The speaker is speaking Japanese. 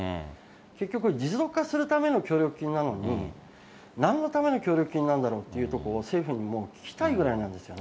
結局、持続化するための協力金なのに、なんのための協力金なんだろうというところ、政府にもう、聞きたいぐらいなんですよね。